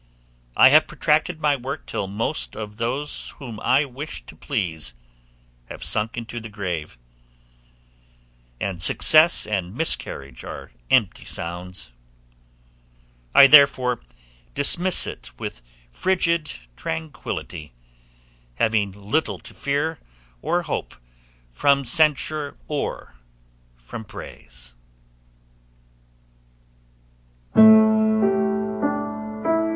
I have protracted my work till most of those whom I wished to please have sunk into the grave, and success and miscarriage are empty sounds: I therefore dismiss it with frigid tranquillity, having little to fear or hope from censure or from praise.